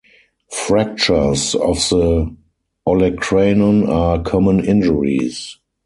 Fractures of the olecranon are common injuries.